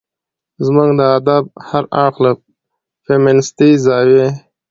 زموږ د ادب هر اړخ له فيمنستي زاويې